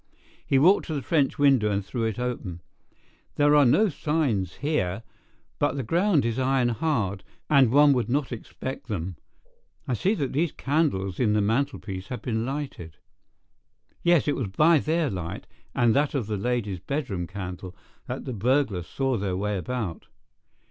He walked to the French window and threw it open. "There are no signs here, but the ground is iron hard, and one would not expect them. I see that these candles in the mantelpiece have been lighted." "Yes, it was by their light and that of the lady's bedroom candle, that the burglars saw their way about."